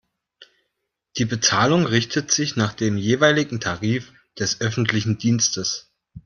Die Bezahlung richtet sich nach dem jeweiligen Tarif des öffentlichen Dienstes.